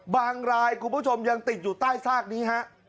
บางรายอย่างติดอยู่ใต้ซากนี้